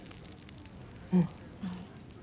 うん。